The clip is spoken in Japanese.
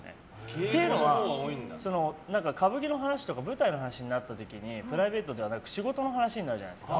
っていうのは、歌舞伎の話とか舞台の話になった時にプライベートではなく仕事の話になるじゃないですか。